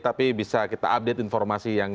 tapi bisa kita update informasi yang